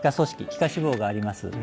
皮下脂肪があります